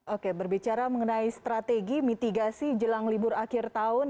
oke berbicara mengenai strategi mitigasi jelang libur akhir tahun